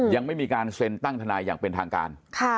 ยังไม่มีการเซ็นตั้งทนายอย่างเป็นทางการ